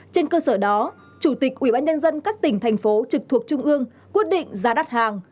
trên cơ sở đó chủ tịch ubnd các tỉnh thành phố trực thuộc trung ương quyết định ra đắt hàng